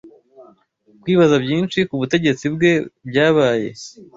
Kwibaza byinshi ku butegetsi bwe byabaye